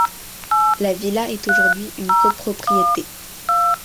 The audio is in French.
La villa est aujourd'hui une copropriété.